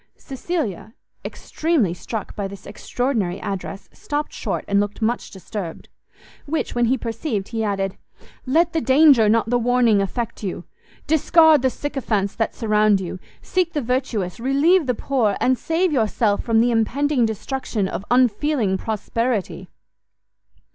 Cecilia, extremely struck by this extraordinary address, stopt short and looked much disturbed: which, when he perceived, he added, "Let the danger, not the warning affect you! discard the sycophants that surround you, seek the virtuous, relieve the poor, and save yourself from the impending destruction of unfeeling prosperity!"